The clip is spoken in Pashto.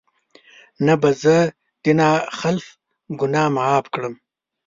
نه به زه د نا خلف ګناه معاف کړم